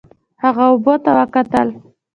هغې اوبو ته وکتل.